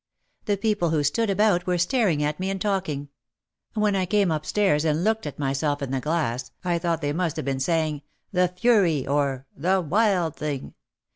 The people who stood about were staring at me and talking. When I came upstairs and looked at myself in the glass I thought they must have been saying, "The fury," or "The wild thing."